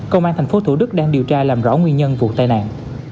công an thành phố thủ đức đang điều tra làm rõ nguyên nhân vụ tai nạn